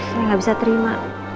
saya enggak bisa terima